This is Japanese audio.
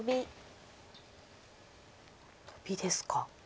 トビですか。